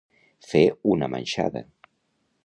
Fer una manxada.